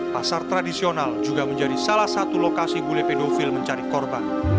pasar tradisional juga menjadi salah satu lokasi bule pedofil mencari korban